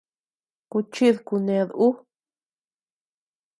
Kuchid kuned ú.